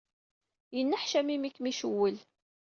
Yenneḥcam imi ay kem-icewwel.